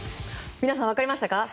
皆さん分かりましたか？